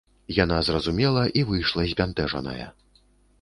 Яна зразумела і выйшла, збянтэжаная.